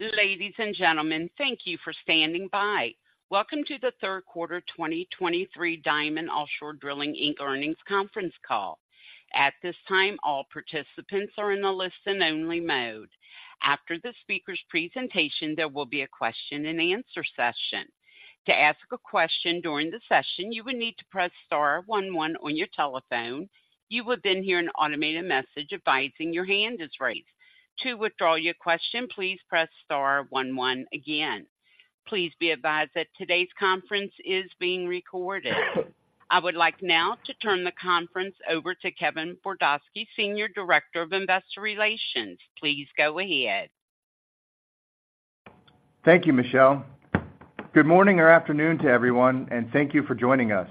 Ladies and gentlemen, thank you for standing by. Welcome to the third quarter 2023 Diamond Offshore Drilling Inc. earnings conference call. At this time, all participants are in a listen-only mode. After the speaker's presentation, there will be a question-and-answer session. To ask a question during the session, you would need to press star one one on your telephone. You will then hear an automated message advising your hand is raised. To withdraw your question, please press star one one again. Please be advised that today's conference is being recorded. I would like now to turn the conference over to Kevin Bordosky, Senior Director of Investor Relations. Please go ahead. Thank you, Michelle. Good morning or afternoon to everyone, and thank you for joining us.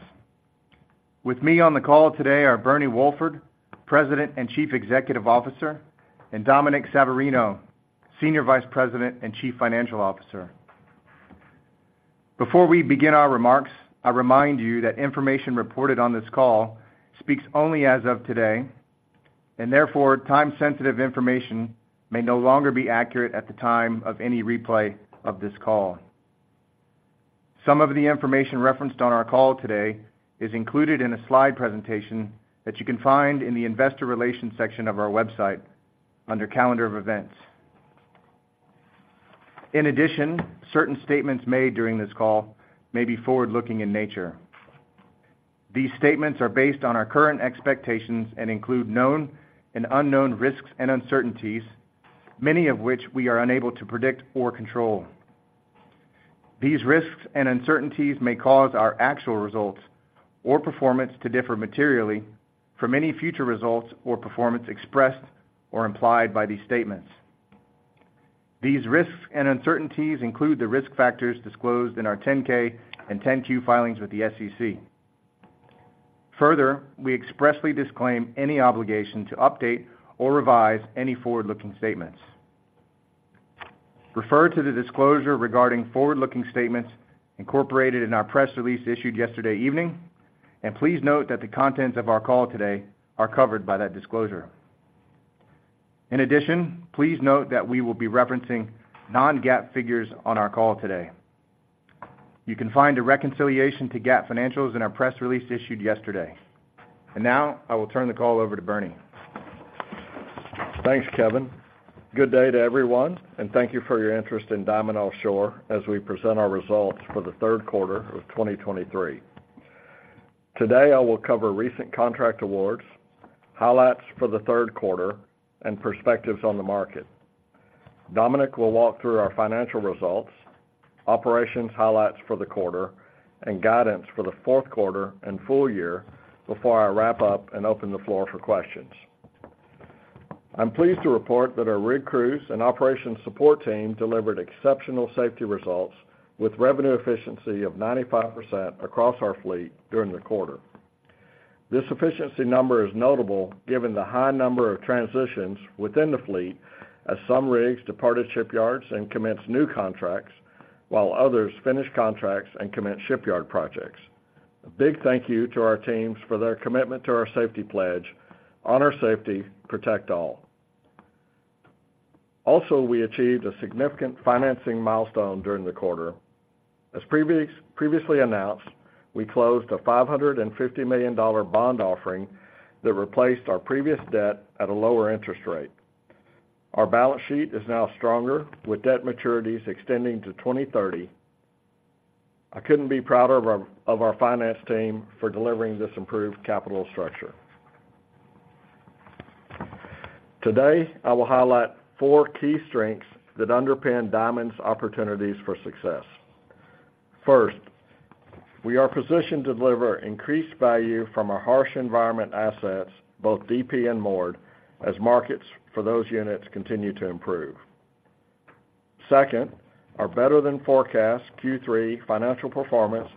With me on the call today are Bernie Wolford, President and Chief Executive Officer, and Dominic Savarino, Senior Vice President and Chief Financial Officer. Before we begin our remarks, I remind you that information reported on this call speaks only as of today, and therefore, time-sensitive information may no longer be accurate at the time of any replay of this call. Some of the information referenced on our call today is included in a slide presentation that you can find in the Investor Relations section of our website under Calendar of Events. In addition, certain statements made during this call may be forward-looking in nature. These statements are based on our current expectations and include known and unknown risks and uncertainties, many of which we are unable to predict or control. These risks and uncertainties may cause our actual results or performance to differ materially from any future results or performance expressed or implied by these statements. These risks and uncertainties include the risk factors disclosed in our 10-K and 10-Q filings with the SEC. Further, we expressly disclaim any obligation to update or revise any forward-looking statements. Refer to the disclosure regarding forward-looking statements incorporated in our press release issued yesterday evening, and please note that the contents of our call today are covered by that disclosure. In addition, please note that we will be referencing non-GAAP figures on our call today. You can find a reconciliation to GAAP financials in our press release issued yesterday. Now, I will turn the call over to Bernie. Thanks, Kevin. Good day to everyone, and thank you for your interest in Diamond Offshore as we present our results for the third quarter of 2023. Today, I will cover recent contract awards, highlights for the third quarter, and perspectives on the market. Dominic will walk through our financial results, operations highlights for the quarter, and guidance for the fourth quarter and full year before I wrap up and open the floor for questions. I'm pleased to report that our rig crews and operations support team delivered exceptional safety results with revenue efficiency of 95% across our fleet during the quarter. This efficiency number is notable given the high number of transitions within the fleet as some rigs departed shipyards and commenced new contracts, while others finished contracts and commenced shipyard projects. A big thank you to our teams for their commitment to our safety pledge, Honor Safety, Protect All. Also, we achieved a significant financing milestone during the quarter. As previously announced, we closed a $550 million bond offering that replaced our previous debt at a lower interest rate. Our balance sheet is now stronger, with debt maturities extending to 2030. I couldn't be prouder of our finance team for delivering this improved capital structure. Today, I will highlight four key strengths that underpin Diamond's opportunities for success. First, we are positioned to deliver increased value from our harsh environment assets, both DP and moored, as markets for those units continue to improve. Second, our better-than-forecast Q3 financial performance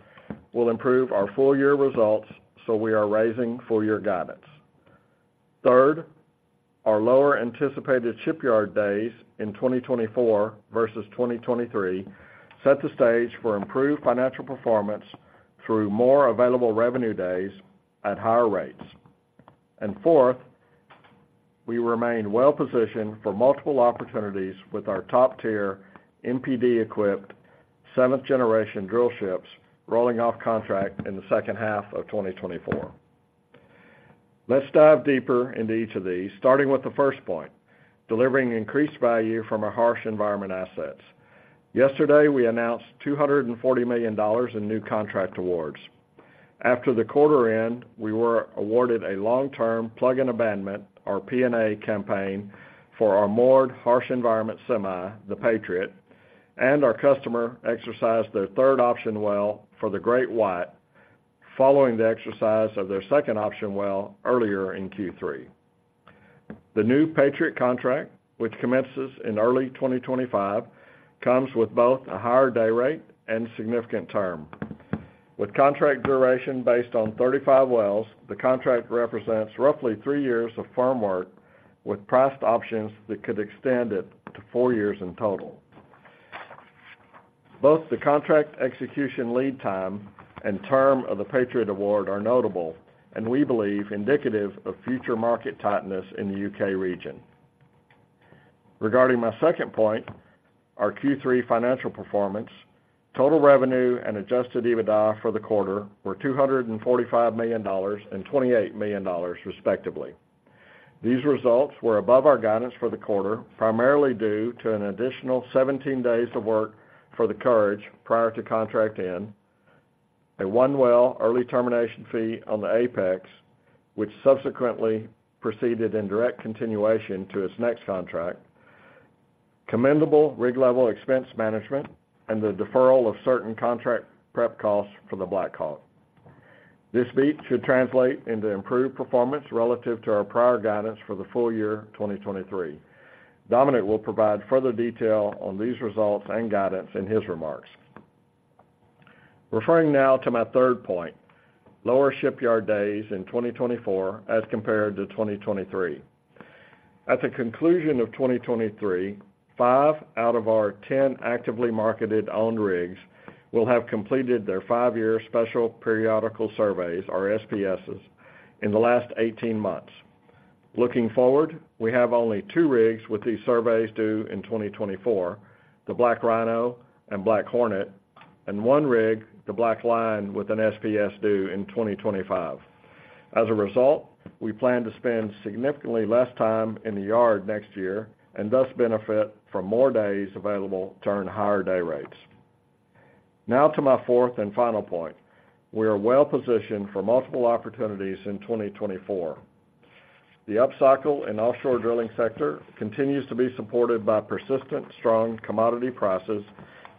will improve our full-year results, so we are raising full-year guidance. Third, our lower anticipated shipyard days in 2024 versus 2023 set the stage for improved financial performance through more available revenue days at higher rates. And fourth, we remain well-positioned for multiple opportunities with our top-tier MPD-equipped seventh-generation drillships rolling off contract in the second half of 2024. Let's dive deeper into each of these, starting with the first point, delivering increased value from our harsh environment assets. Yesterday, we announced $240 million in new contract awards. After the quarter end, we were awarded a long-term plug-and-abandonment, or P&A, campaign for our moored harsh environment semi, the Patriot, and our customer exercised their third option well for the GreatWhite, following the exercise of their second option well earlier in Q3. The new Patriot contract, which commences in early 2025, comes with both a higher day rate and significant term. With contract duration based on 35 wells, the contract represents roughly three years of firm work, with priced options that could extend it to four years in total... Both the contract execution lead time and term of the Patriot award are notable, and we believe indicative of future market tightness in the U.K. region. Regarding my second point, our Q3 financial performance, total revenue and Adjusted EBITDA for the quarter were $245 million and $28 million, respectively. These results were above our guidance for the quarter, primarily due to an additional 17 days of work for the Courage prior to contract end, a one-well early termination fee on the Apex, which subsequently proceeded in direct continuation to its next contract, commendable rig-level expense management, and the deferral of certain contract prep costs for the BlackHawk. This beat should translate into improved performance relative to our prior guidance for the full year 2023. Dominic will provide further detail on these results and guidance in his remarks. Referring now to my third point, lower shipyard days in 2024 as compared to 2023. At the conclusion of 2023, 5 out of our 10 actively marketed owned rigs will have completed their five-year Special Periodical Surveys, or SPSs, in the last 18 months. Looking forward, we have only 2 rigs with these surveys due in 2024, the BlackRhino and BlackHornet, and 1 rig, the BlackLion, with an SPS due in 2025. As a result, we plan to spend significantly less time in the yard next year and thus benefit from more days available to earn higher day rates. Now to my fourth and final point, we are well-positioned for multiple opportunities in 2024. The upcycle in offshore drilling sector continues to be supported by persistent, strong commodity prices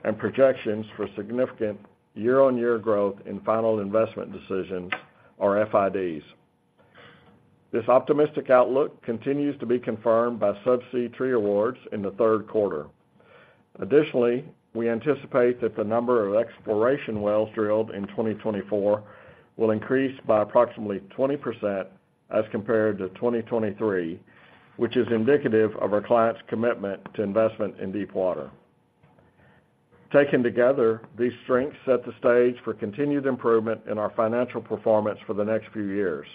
and projections for significant year-on-year growth in final investment decisions, or FIDs. This optimistic outlook continues to be confirmed by subsea tree awards in the third quarter. Additionally, we anticipate that the number of exploration wells drilled in 2024 will increase by approximately 20% as compared to 2023, which is indicative of our clients' commitment to investment in deepwater. Taken together, these strengths set the stage for continued improvement in our financial performance for the next few years.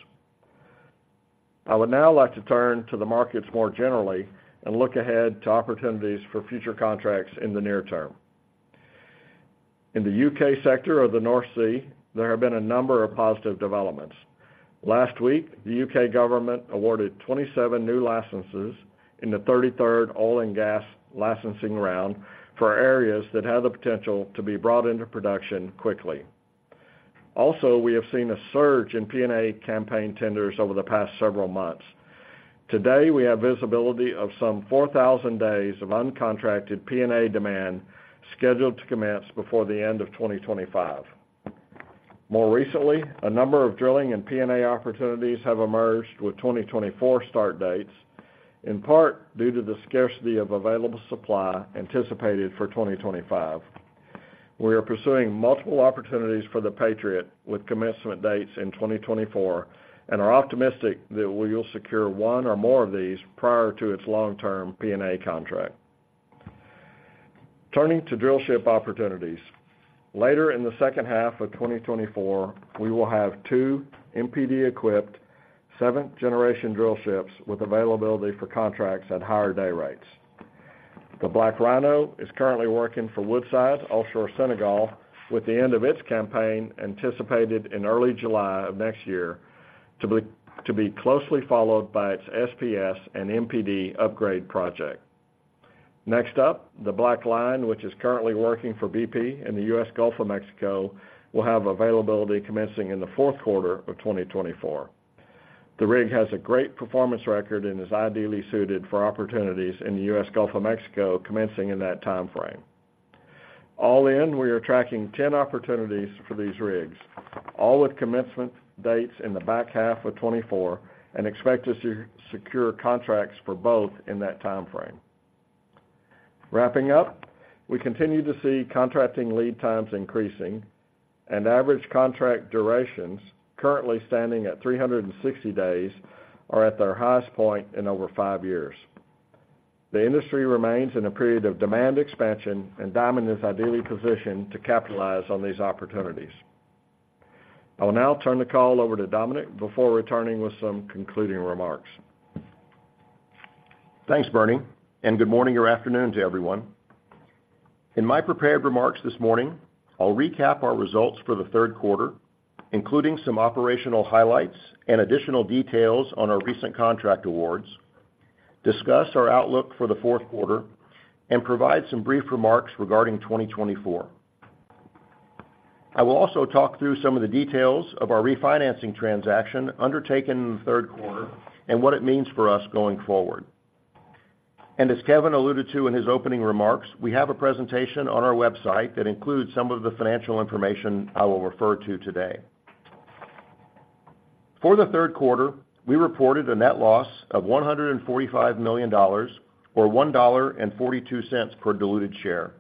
I would now like to turn to the markets more generally and look ahead to opportunities for future contracts in the near term. In the U.K. sector of the North Sea, there have been a number of positive developments. Last week, the U.K. government awarded 27 new licenses in the 33rd oil and gas licensing round for areas that have the potential to be brought into production quickly. Also, we have seen a surge in P&A campaign tenders over the past several months. Today, we have visibility of some 4,000 days of uncontracted P&A demand scheduled to commence before the end of 2025. More recently, a number of drilling and P&A opportunities have emerged with 2024 start dates, in part due to the scarcity of available supply anticipated for 2025. We are pursuing multiple opportunities for the Patriot with commencement dates in 2024 and are optimistic that we will secure one or more of these prior to its long-term P&A contract. Turning to drillship opportunities. Later in the second half of 2024, we will have two MPD-equipped, seventh-generation drillships with availability for contracts at higher day rates. The BlackRhino is currently working for Woodside offshore Senegal, with the end of its campaign anticipated in early July of next year, to be closely followed by its SPS and MPD upgrade project. Next up, the BlackLion, which is currently working for BP in the U.S. Gulf of Mexico, will have availability commencing in the fourth quarter of 2024. The rig has a great performance record and is ideally suited for opportunities in the U.S. Gulf of Mexico, commencing in that time frame. All in, we are tracking 10 opportunities for these rigs, all with commencement dates in the back half of 2024, and expect to secure contracts for both in that time frame. Wrapping up, we continue to see contracting lead times increasing, and average contract durations, currently standing at 360 days, are at their highest point in over five years. The industry remains in a period of demand expansion, and Diamond is ideally positioned to capitalize on these opportunities. I will now turn the call over to Dominic before returning with some concluding remarks. Thanks, Bernie, and good morning or afternoon to everyone. In my prepared remarks this morning, I'll recap our results for the third quarter, including some operational highlights and additional details on our recent contract awards, discuss our outlook for the fourth quarter, and provide some brief remarks regarding 2024. I will also talk through some of the details of our refinancing transaction undertaken in the third quarter and what it means for us going forward. And as Kevin alluded to in his opening remarks, we have a presentation on our website that includes some of the financial information I will refer to today. For the third quarter, we reported a net loss of $145 million, or $1.42 per diluted share.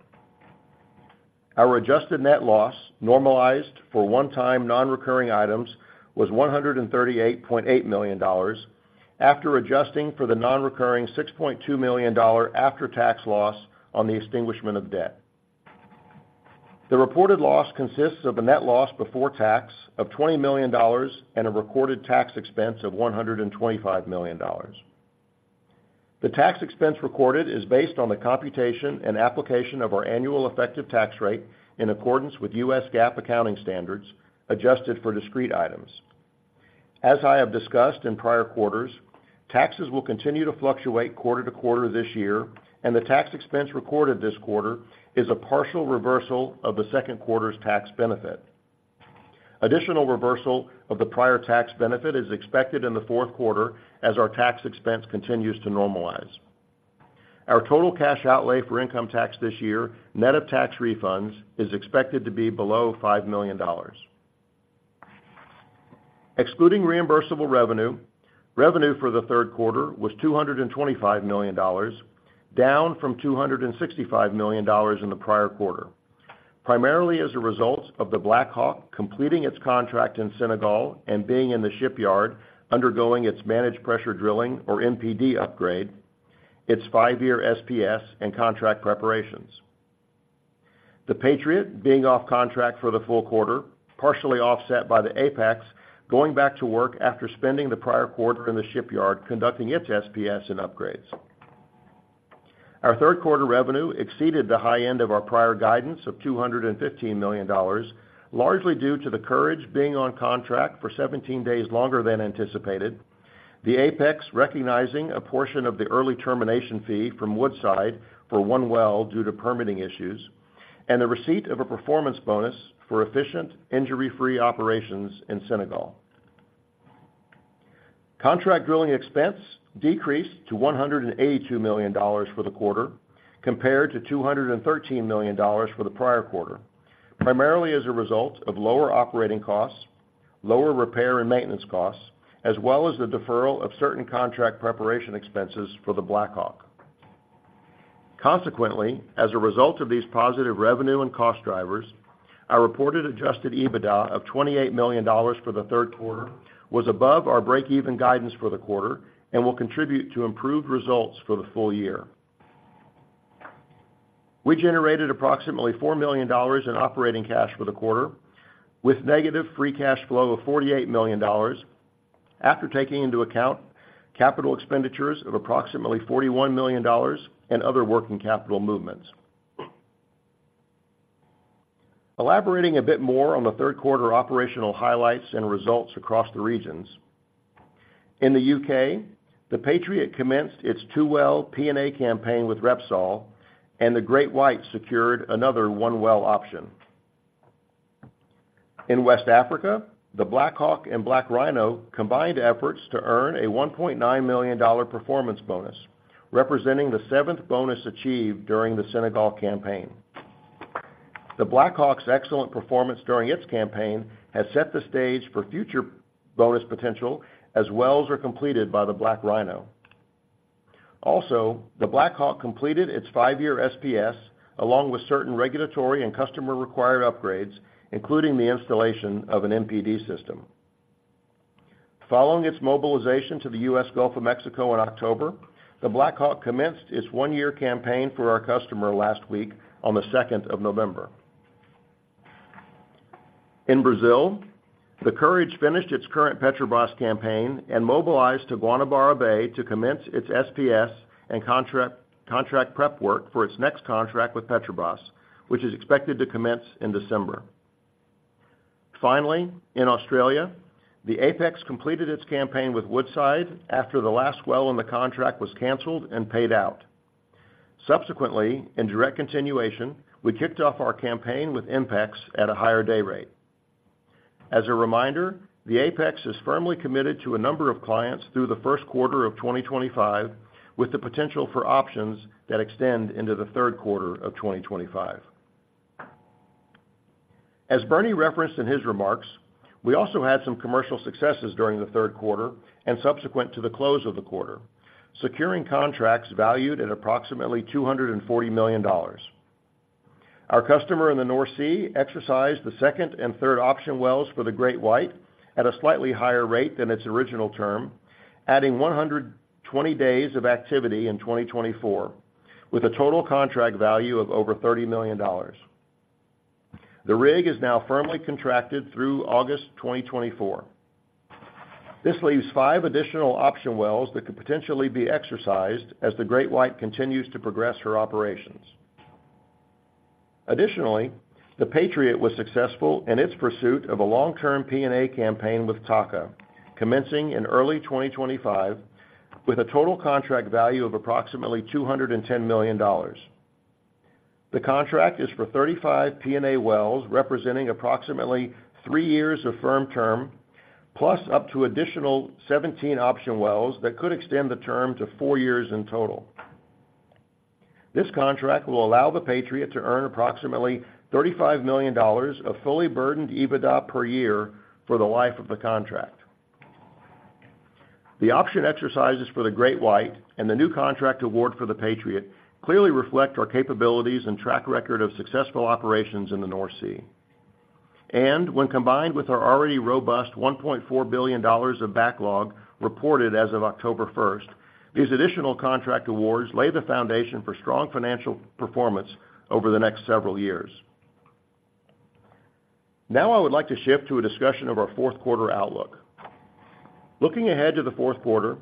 Our adjusted net loss, normalized for one-time non-recurring items, was $138.8 million. after adjusting for the nonrecurring $6.2 million after-tax loss on the extinguishment of debt. The reported loss consists of a net loss before tax of $20 million and a recorded tax expense of $125 million. The tax expense recorded is based on the computation and application of our annual effective tax rate in accordance with U.S. GAAP accounting standards, adjusted for discrete items. As I have discussed in prior quarters, taxes will continue to fluctuate quarter-to-quarter this year, and the tax expense recorded this quarter is a partial reversal of the second quarter's tax benefit. Additional reversal of the prior tax benefit is expected in the fourth quarter as our tax expense continues to normalize. Our total cash outlay for income tax this year, net of tax refunds, is expected to be below $5 million. Excluding reimbursable revenue, revenue for the third quarter was $225 million, down from $265 million in the prior quarter, primarily as a result of the BlackHawk completing its contract in Senegal and being in the shipyard, undergoing its managed pressure drilling or MPD upgrade, its five-year SPS and contract preparations. The Patriot being off contract for the full quarter, partially offset by the Apex, going back to work after spending the prior quarter in the shipyard, conducting its SPS and upgrades. Our third quarter revenue exceeded the high end of our prior guidance of $215 million, largely due to the Courage being on contract for 17 days longer than anticipated, the Apex recognizing a portion of the early termination fee from Woodside for one well due to permitting issues, and the receipt of a performance bonus for efficient, injury-free operations in Senegal. Contract drilling expense decreased to $182 million for the quarter, compared to $213 million for the prior quarter, primarily as a result of lower operating costs, lower repair and maintenance costs, as well as the deferral of certain contract preparation expenses for the BlackHawk. Consequently, as a result of these positive revenue and cost drivers, our reported adjusted EBITDA of $28 million for the third quarter was above our break-even guidance for the quarter and will contribute to improved results for the full year. We generated approximately $4 million in operating cash for the quarter, with negative free cash flow of $48 million, after taking into account capital expenditures of approximately $41 million and other working capital movements. Elaborating a bit more on the third quarter operational highlights and results across the regions. In the U.K., the Patriot commenced its two-well P&A campaign with Repsol, and the GreatWhite secured another one well option. In West Africa, the BlackHawk and BlackRhino combined efforts to earn a $1.9 million performance bonus, representing the 7th bonus achieved during the Senegal campaign. The Ocean BlackHawk's excellent performance during its campaign has set the stage for future bonus potential as wells are completed by the Ocean BlackRhino. Also, the Ocean BlackHawk completed its five-year SPS, along with certain regulatory and customer-required upgrades, including the installation of an MPD system. Following its mobilization to the U.S. Gulf of Mexico in October, the Ocean BlackHawk commenced its one-year campaign for our customer last week on the second of November. In Brazil, the Ocean Courage finished its current Petrobras campaign and mobilized to Guanabara Bay to commence its SPS and contract prep work for its next contract with Petrobras, which is expected to commence in December. Finally, in Australia, the Ocean Apex completed its campaign with Woodside after the last well on the contract was canceled and paid out. Subsequently, in direct continuation, we kicked off our campaign with INPEX at a higher day rate. As a reminder, the Apex is firmly committed to a number of clients through the first quarter of 2025, with the potential for options that extend into the third quarter of 2025. As Bernie referenced in his remarks, we also had some commercial successes during the third quarter and subsequent to the close of the quarter, securing contracts valued at approximately $240 million. Our customer in the North Sea exercised the second and third option wells for the GreatWhite at a slightly higher rate than its original term, adding 120 days of activity in 2024, with a total contract value of over $30 million. The rig is now firmly contracted through August 2024. This leaves five additional option wells that could potentially be exercised as the GreatWhite continues to progress her operations. Additionally, the Patriot was successful in its pursuit of a long-term P&A campaign with TAQA, commencing in early 2025, with a total contract value of approximately $210 million. The contract is for 35 P&A wells, representing approximately three years of firm term, plus up to additional 17 option wells that could extend the term to four years in total. This contract will allow the Patriot to earn approximately $35 million of fully burdened EBITDA per year for the life of the contract. The option exercises for the GreatWhite and the new contract award for the Patriot clearly reflect our capabilities and track record of successful operations in the North Sea.... And when combined with our already robust $1.4 billion of backlog reported as of October 1, these additional contract awards lay the foundation for strong financial performance over the next several years. Now, I would like to shift to a discussion of our fourth quarter outlook. Looking ahead to the fourth quarter,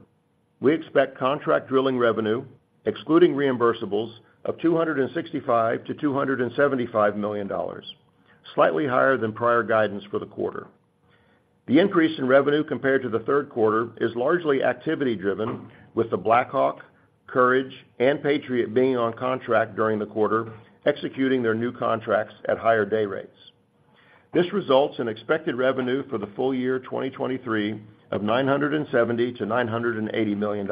we expect contract drilling revenue, excluding reimbursables, of $265 million-$275 million, slightly higher than prior guidance for the quarter. The increase in revenue compared to the third quarter is largely activity driven, with the BlackHawk, Courage, and Patriot being on contract during the quarter, executing their new contracts at higher day rates. This results in expected revenue for the full year 2023 of $970 million-$980 million.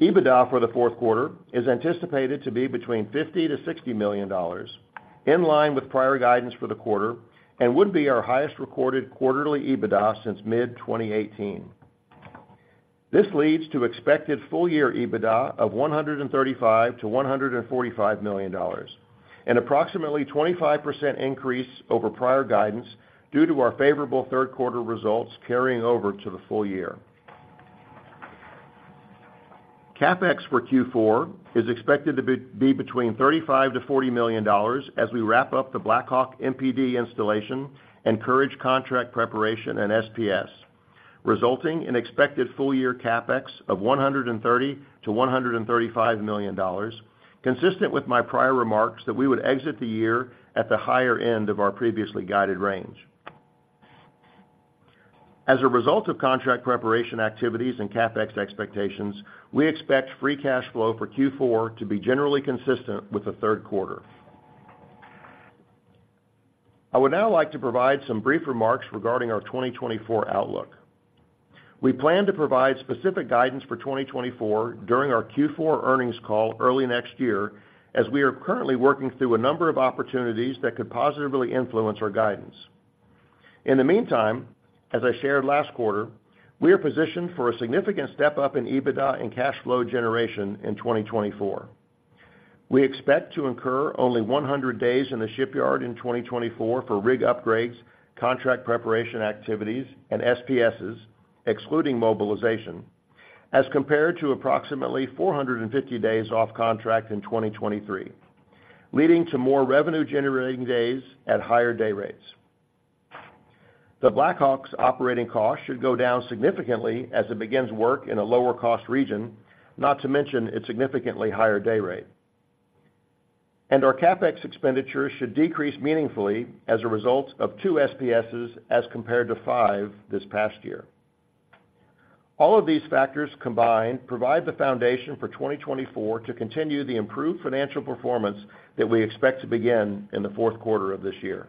EBITDA for the fourth quarter is anticipated to be between $50-$60 million, in line with prior guidance for the quarter, and would be our highest recorded quarterly EBITDA since mid-2018. This leads to expected full-year EBITDA of $135 million-$145 million, an approximately 25% increase over prior guidance due to our favorable third quarter results carrying over to the full year. CapEx for Q4 is expected to be between $35 million-$40 million as we wrap up the Blackhawk MPD installation and Courage contract preparation and SPS, resulting in expected full year CapEx of $130 million-$135 million, consistent with my prior remarks that we would exit the year at the higher end of our previously guided range. As a result of contract preparation activities and CapEx expectations, we expect free cash flow for Q4 to be generally consistent with the third quarter. I would now like to provide some brief remarks regarding our 2024 outlook. We plan to provide specific guidance for 2024 during our Q4 earnings call early next year, as we are currently working through a number of opportunities that could positively influence our guidance. In the meantime, as I shared last quarter, we are positioned for a significant step-up in EBITDA and cash flow generation in 2024. We expect to incur only 100 days in the shipyard in 2024 for rig upgrades, contract preparation activities, and SPSs, excluding mobilization, as compared to approximately 450 days off contract in 2023, leading to more revenue-generating days at higher day rates. The BlackHawk's operating costs should go down significantly as it begins work in a lower-cost region, not to mention its significantly higher day rate. Our CapEx expenditures should decrease meaningfully as a result of two SPSs as compared to five this past year. All of these factors combined provide the foundation for 2024 to continue the improved financial performance that we expect to begin in the fourth quarter of this year.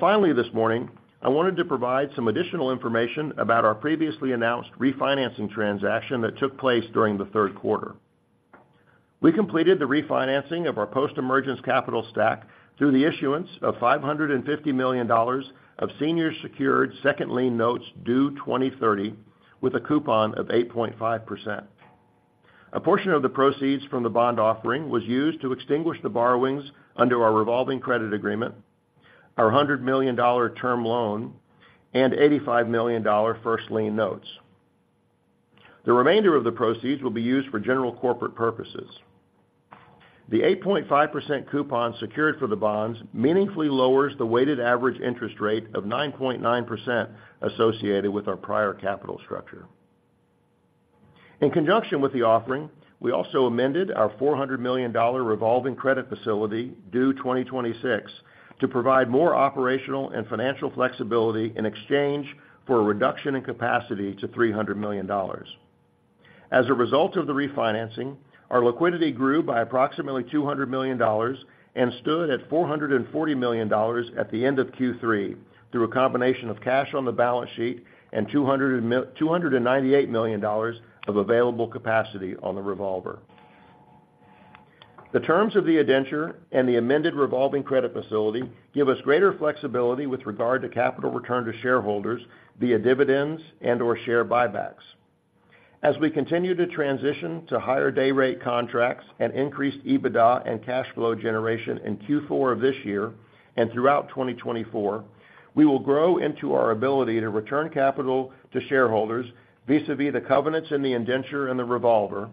Finally, this morning, I wanted to provide some additional information about our previously announced refinancing transaction that took place during the third quarter. We completed the refinancing of our post-emergence capital stack through the issuance of $550 million of senior secured second lien notes due 2030, with a coupon of 8.5%. A portion of the proceeds from the bond offering was used to extinguish the borrowings under our revolving credit agreement, our $100 million term loan, and $85 million first lien notes. The remainder of the proceeds will be used for general corporate purposes. The 8.5% coupon secured for the bonds meaningfully lowers the weighted average interest rate of 9.9% associated with our prior capital structure. In conjunction with the offering, we also amended our $400 million revolving credit facility, due 2026, to provide more operational and financial flexibility in exchange for a reduction in capacity to $300 million. As a result of the refinancing, our liquidity grew by approximately $200 million and stood at $440 million at the end of Q3, through a combination of cash on the balance sheet and $298 million of available capacity on the revolver. The terms of the indenture and the amended revolving credit facility give us greater flexibility with regard to capital return to shareholders via dividends and/or share buybacks. As we continue to transition to higher day rate contracts and increased EBITDA and cash flow generation in Q4 of this year and throughout 2024, we will grow into our ability to return capital to shareholders vis-a-vis the covenants in the indenture and the revolver,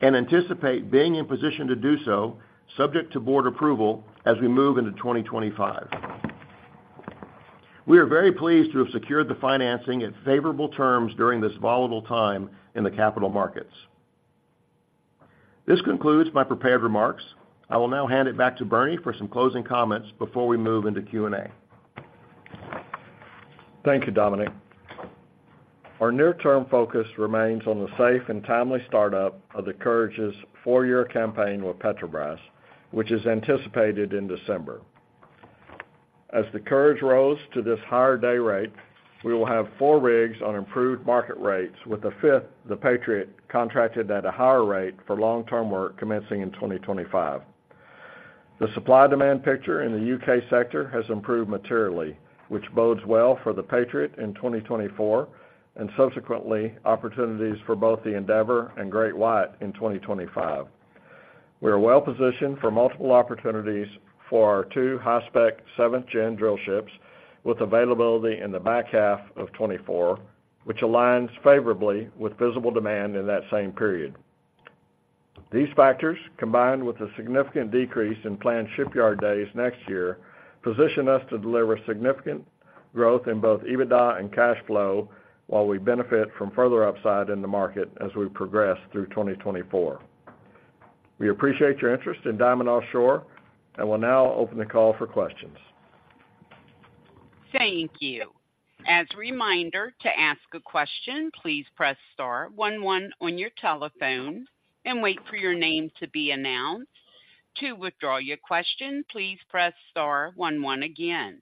and anticipate being in position to do so, subject to board approval, as we move into 2025. We are very pleased to have secured the financing at favorable terms during this volatile time in the capital markets. This concludes my prepared remarks. I will now hand it back to Bernie for some closing comments before we move into Q&A. Thank you, Dominic. Our near-term focus remains on the safe and timely startup of the Courage's four-year campaign with Petrobras, which is anticipated in December. As the Courage rose to this higher day rate, we will have four rigs on improved market rates, with the fifth, the Patriot, contracted at a higher rate for long-term work commencing in 2025. The supply-demand picture in the U.K. sector has improved materially, which bodes well for the Patriot in 2024, and subsequently, opportunities for both the Endeavor and GreatWhite in 2025. We are well-positioned for multiple opportunities for our two high-spec seventh gen drill ships, with availability in the back half of 2024, which aligns favorably with visible demand in that same period. These factors, combined with a significant decrease in planned shipyard days next year, position us to deliver significant growth in both EBITDA and cash flow, while we benefit from further upside in the market as we progress through 2024. We appreciate your interest in Diamond Offshore, and we'll now open the call for questions. Thank you. As a reminder, to ask a question, please press star one one on your telephone and wait for your name to be announced. To withdraw your question, please press star one one again.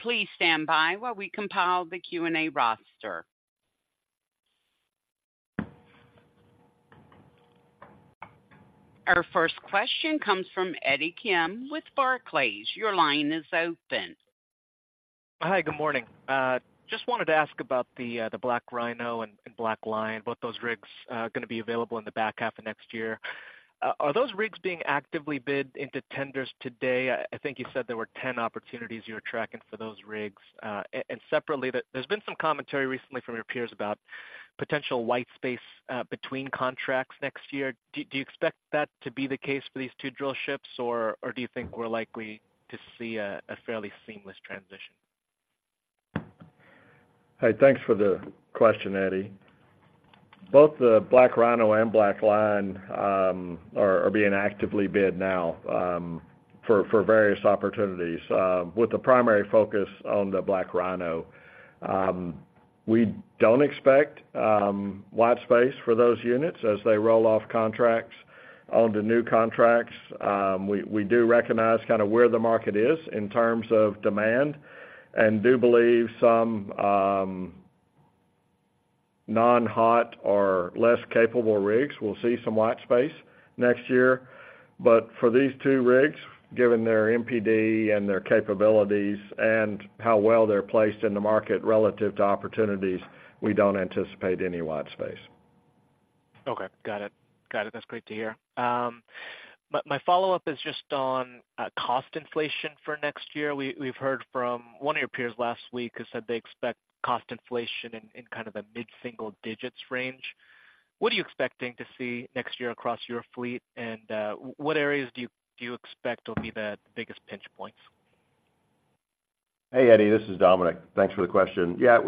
Please stand by while we compile the Q&A roster. Our first question comes from Eddie Kim with Barclays. Your line is open. Hi, good morning. Just wanted to ask about the BlackRhino and BlackLion, both those rigs gonna be available in the back half of next year. Are those rigs being actively bid into tenders today? I think you said there were 10 opportunities you were tracking for those rigs. And separately, there's been some commentary recently from your peers about potential white space between contracts next year. Do you expect that to be the case for these two drillships, or do you think we're likely to see a fairly seamless transition? Hey, thanks for the question, Eddie. Both the BlackRhino and BlackLion are being actively bid now for various opportunities with the primary focus on the BlackRhino. We don't expect white space for those units as they roll off contracts onto new contracts. We do recognize kind of where the market is in terms of demand and do believe some non-hot or less capable rigs will see some white space next year. But for these two rigs, given their MPD and their capabilities and how well they're placed in the market relative to opportunities, we don't anticipate any white space. Okay, got it. Got it. That's great to hear. My follow-up is just on cost inflation for next year. We've heard from one of your peers last week, who said they expect cost inflation in kind of the mid-single digits range. What are you expecting to see next year across your fleet? And, what areas do you expect will be the biggest pinch points? Hey, Eddie, this is Dominic. Thanks for the question. Yeah,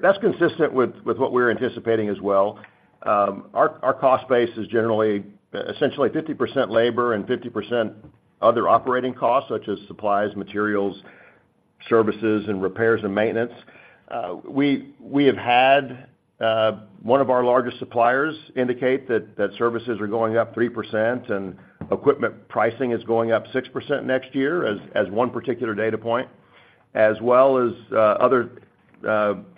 that's consistent with what we're anticipating as well. Our cost base is generally, essentially 50% labor and 50% other operating costs, such as supplies, materials, services, and repairs and maintenance. We have had one of our largest suppliers indicate that services are going up 3% and equipment pricing is going up 6% next year, as one particular data point. As well as other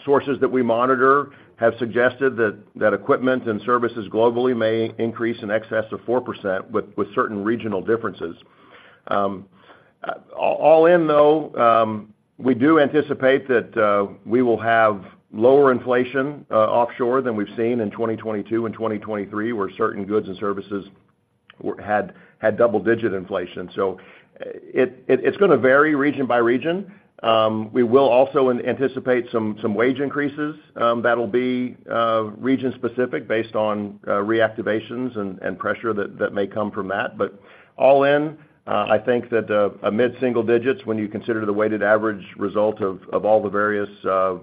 sources that we monitor have suggested that equipment and services globally may increase in excess of 4%, with certain regional differences. All in, though, we do anticipate that we will have lower inflation offshore than we've seen in 2022 and 2023, where certain goods and services had double-digit inflation. So, it's gonna vary region by region. We will also anticipate some wage increases, that'll be region-specific based on reactivations and pressure that may come from that. But all in, I think that a mid-single digits, when you consider the weighted average result of all the various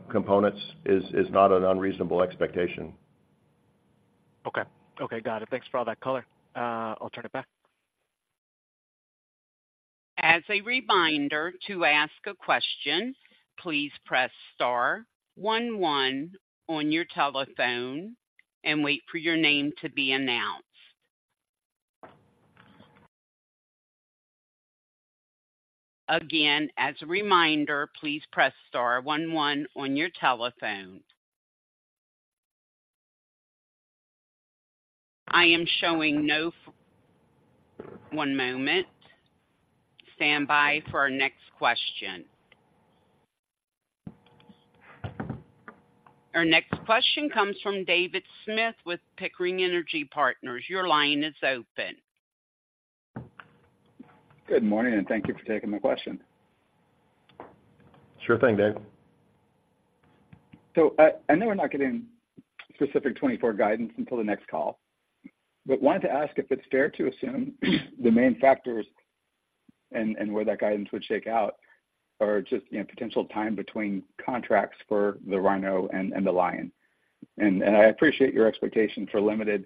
components, is not an unreasonable expectation. Okay. Okay, got it. Thanks for all that color. I'll turn it back. As a reminder, to ask a question, please press star one one on your telephone and wait for your name to be announced. Again, as a reminder, please press star one one on your telephone. One moment. Stand by for our next question. Our next question comes from David Smith with Pickering Energy Partners. Your line is open. Good morning, and thank you for taking my question. Sure thing, Dave. So, I know we're not getting specific 2024 guidance until the next call, but wanted to ask if it's fair to assume the main factors and where that guidance would shake out are just, you know, potential time between contracts for the Rhino and the Lion. And I appreciate your expectation for limited,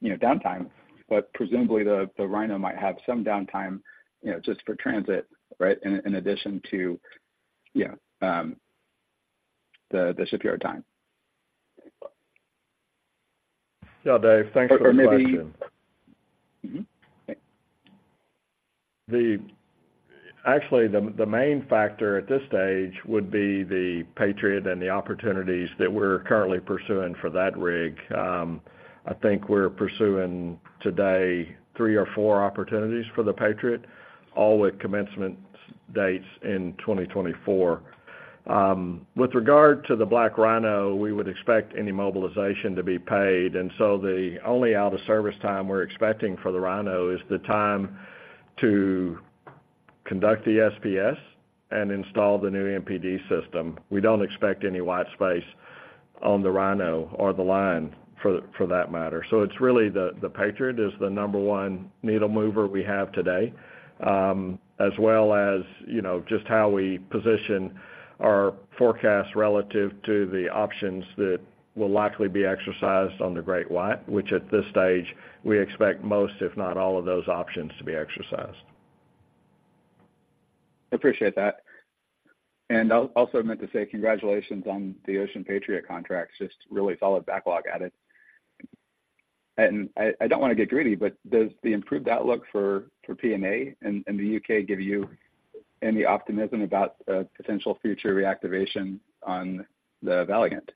you know, downtime, but presumably the Rhino might have some downtime, you know, just for transit, right? In addition to, you know, the shipyard time. Yeah, Dave, thanks for the question. Or, maybe... Mm-hmm?... Actually, the main factor at this stage would be the Patriot and the opportunities that we're currently pursuing for that rig. I think we're pursuing today three or four opportunities for the Patriot, all with commencement dates in 2024. With regard to the BlackRhino, we would expect any mobilization to be paid, and so the only out-of-service time we're expecting for the Rhino is the time to conduct the SPS and install the new MPD system. We don't expect any white space on the Rhino or the Lion for that matter. It's really the Patriot, the number one needle mover we have today, as well as, you know, just how we position our forecast relative to the options that will likely be exercised on the GreatWhite, which at this stage, we expect most, if not all, of those options to be exercised. Appreciate that. And also meant to say congratulations on the Ocean Patriot contract. Just really solid backlog at it. And I don't want to get greedy, but does the improved outlook for P&A in the U.K. give you any optimism about potential future reactivation on the Valiant?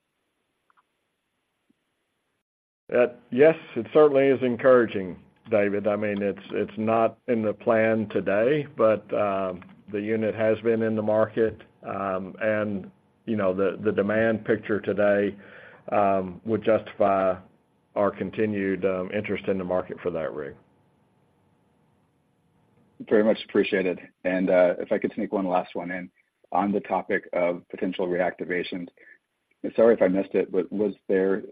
Yes, it certainly is encouraging, David. I mean, it's not in the plan today, but the unit has been in the market, and you know, the demand picture today would justify our continued interest in the market for that rig. Very much appreciated. If I could sneak one last one in. On the topic of potential reactivations, sorry if I missed it, but was there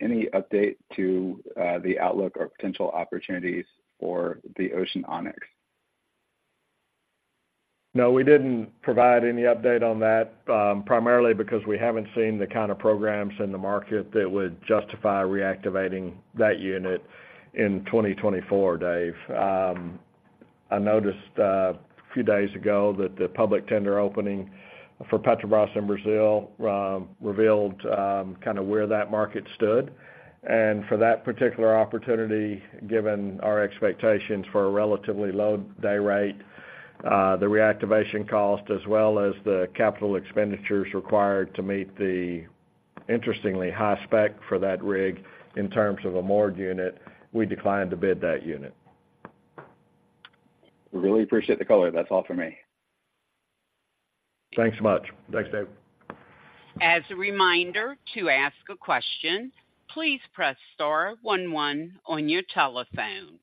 any update to the outlook or potential opportunities for the Ocean Onyx? No, we didn't provide any update on that, primarily because we haven't seen the kind of programs in the market that would justify reactivating that unit in 2024, Dave. I noticed a few days ago that the public tender opening for Petrobras in Brazil revealed kind of where that market stood. And for that particular opportunity, given our expectations for a relatively low day rate, the reactivation cost, as well as the capital expenditures required to meet the interestingly high spec for that rig in terms of a moored unit, we declined to bid that unit. Really appreciate the color. That's all for me. Thanks so much. Thanks, Dave. As a reminder, to ask a question, please press star one one on your telephone.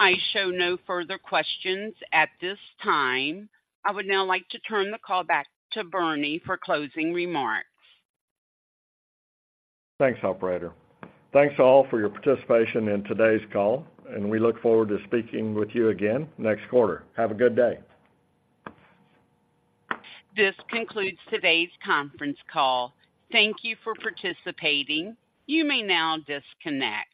I show no further questions at this time. I would now like to turn the call back to Bernie for closing remarks. Thanks, operator. Thanks, all, for your participation in today's call, and we look forward to speaking with you again next quarter. Have a good day. This concludes today's conference call. Thank you for participating. You may now disconnect.